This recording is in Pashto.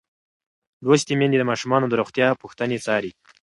لوستې میندې د ماشومانو د روغتیا پوښتنې څاري.